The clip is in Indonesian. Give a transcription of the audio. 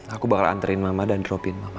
aku bakal anterin mama dan dropin mama